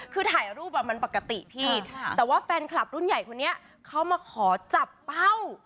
คือถ่ายรูปมันปกติพี่แต่ว่าแฟนคลับรุ่นใหญ่คนนี้เขามาขอจับเป้า